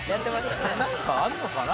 なんかあるのかな？